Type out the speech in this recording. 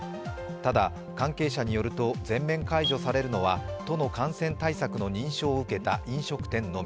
ただ関係者によると全面解除されるのは都の感染対策の認証を受けた飲食店のみ。